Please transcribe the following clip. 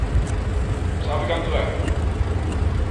¿Sabe canto é?